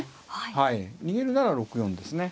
逃げるなら６四ですね。